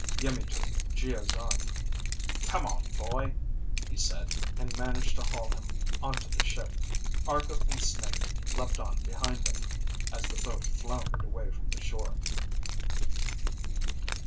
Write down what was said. Iimmi took Geo's arm. "Come on, boy," he said, and managed to haul him onto the ship. Argo and Snake leapt on behind them, as the boat floundered away from the shore.